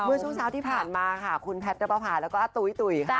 เมื่อช่วงเช้าที่ผ่านมาค่ะคุณแพทย์นับประพาแล้วก็อาตุ๋ยตุ๋ยค่ะ